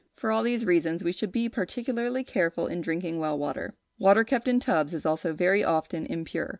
For all these reasons, we should be particularly careful in drinking well water. Water kept in tubs is also very often impure.